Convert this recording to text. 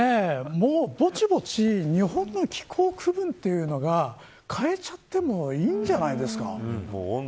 もうぼちぼち日本の気候区分というのは変えちゃってもいいんじゃないですか。